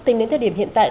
tính đến thời điểm hiện tại